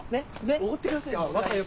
おごってくださいよ。